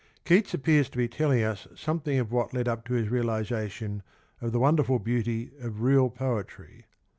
Keats appears to be telling us some thing of what led up to his realisation of the wonderful beauty of real poetry.